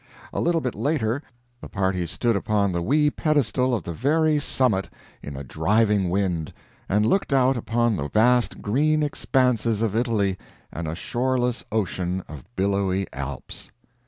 A little bit later, the party stood upon the wee pedestal of the very summit, in a driving wind, and looked out upon the vast green expanses of Italy and a shoreless ocean of billowy Alps.